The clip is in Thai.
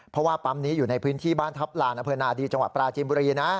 เพราะว่าปั๊มนี้อยู่ในพื้นที่บ้านทัพลานอำเภอนาดีจังหวัดปราจีนบุรีนะ